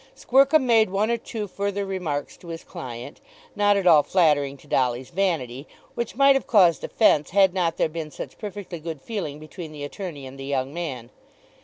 Squercum made one or two further remarks to his client, not at all flattering to Dolly's vanity, which might have caused offence had not there been such perfectly good feeling between the attorney and the young man.